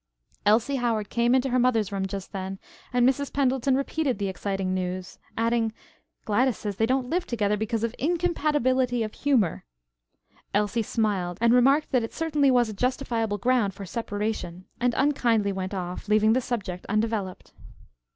Elsie Howard came into her mother's room just then and Mrs. Pendleton repeated the exciting news, adding, "Gladys says they don't live together because of incompatibility of humor!" Elsie smiled and remarked that it certainly was a justifiable ground for separation and unkindly went off, leaving the subject undeveloped.